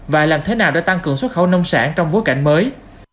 và làm thế nào để tăng cường xuất khẩu nông sản trong bối cảnh mới